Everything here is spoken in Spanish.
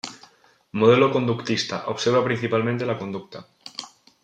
Modelo conductista: Observa principalmente la conducta.